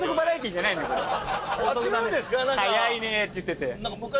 「速いねぇ」って言ってて。